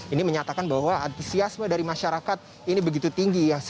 ini menyatakan bahwa antusiasme dari masyarakat ini begitu tinggi